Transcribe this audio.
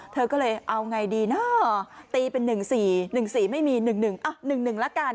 เธอก็เลยเอาไงดีน่ะตีเป็นหนึ่งสี่หนึ่งสี่ไม่มีหนึ่งหนึ่งอ่ะหนึ่งหนึ่งแล้วกัน